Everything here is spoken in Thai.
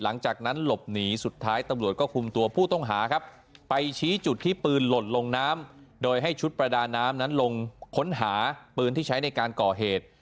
หลังจากนั้นหลบหนีสุดท้ายตำรวจก็คุมตัวผู้ต้องหาครับไปชี้จุดที่ปืนหล่นลงน้ำโดยให้ชุดประดาน้ำนั้นลงค้นหาปืนที่ใช้ในการก่อเหตุ